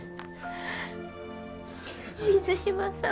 水島さん。